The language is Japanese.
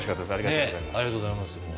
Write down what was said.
ありがとうございます。